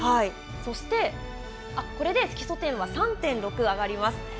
そして、これで基礎点は３．６上がります。